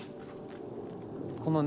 このね